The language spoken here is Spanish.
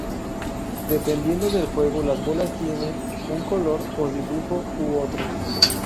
Dependiendo del juego las bolas tienen un color o dibujo u otros.